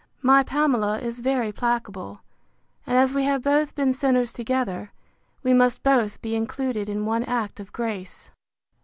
My Pamela is very placable; and as we have both been sinners together, we must both be included in one act of grace.